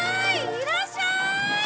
いらっしゃい！